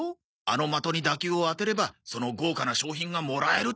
あの的に打球を当てればその豪華な賞品がもらえるってわけさ。